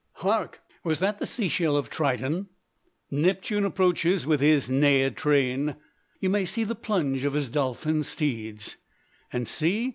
Hark! was that the sea shell of Triton? Neptune approaches with his Naiad train. You may see the plunge of his dolphin steeds. And see!